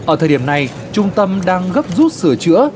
ở thời điểm này trung tâm đang gấp rút sửa chữa